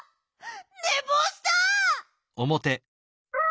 ねぼうした！